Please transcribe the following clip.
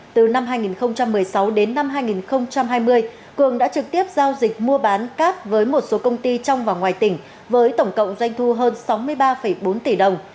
từ năm hai nghìn một mươi sáu đến năm hai nghìn hai mươi cường đã trực tiếp giao dịch mua bán cát với một số công ty trong và ngoài tỉnh với tổng cộng doanh thu hơn sáu mươi ba bốn tỷ đồng